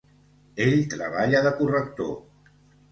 Ell treballa de corrector.